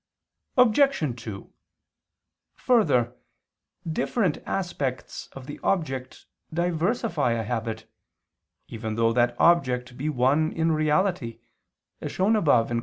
Obj. 2: Further, different aspects of the object diversify a habit, even though that object be one in reality, as shown above (Q.